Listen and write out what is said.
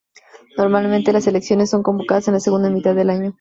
Normalmente, las elecciones son convocadas en la segunda mitad del año.